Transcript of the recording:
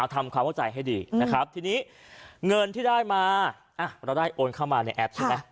ทำความเข้าใจให้ดีนะครับทีนี้เงินที่ได้มาเราได้โอนเข้ามาในแอปใช่ไหม